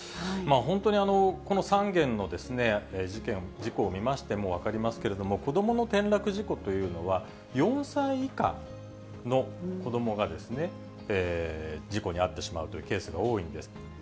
本当にこの３件の事故を見ましても分かりますけれども、子どもの転落事故というのは、４歳以下の子どもが事故に遭ってしまうというケースが多いんです。